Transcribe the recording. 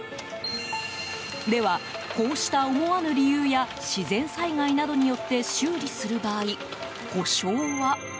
では、こうした思わぬ理由や自然災害などによって修理する場合、補償は？